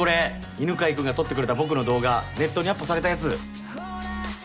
犬飼君が撮ってくれた僕の動画ネットにアップされたやつ。